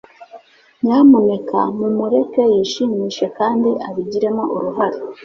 nyamuneka mumureke yishimishe kandi abigiremo uruhare